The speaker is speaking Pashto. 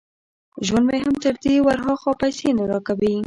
ژوند مې هم تر دې ور هاخوا پيسې نه را کوي.